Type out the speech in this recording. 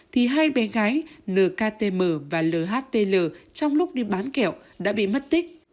thì hai bé gái nhkm và lhtl trong lúc đi bán kẹo đã bị mất tích